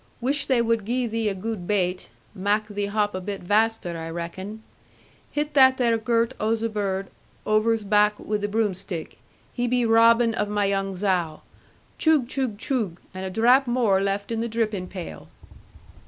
Wish they wud gie thee a good baite, mak thee hop a bit vaster, I reckon. Hit that there girt ozebird over's back wi' the broomstick, he be robbing of my young zow. Choog, choog, choog! and a drap more left in the dripping pail.'